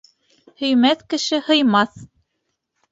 Һөймәҫ кеше һыймаҫ.